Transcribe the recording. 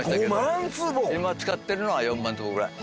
今使ってるのは４万坪ぐらい。